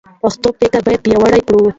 پښتو فکر باید پیاوړی کړو.